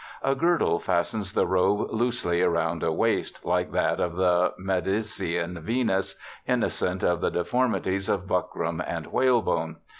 A girdle fastens the robe loosely round a waist, like that of the Medicean Venus, innocent of the deformities of buckram and whalebone.